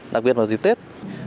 đặc biệt là dịp tết